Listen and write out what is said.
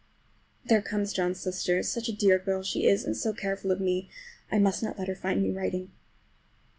There comes John's sister. Such a dear girl as she is, and so careful of me! I must not let her find me writing.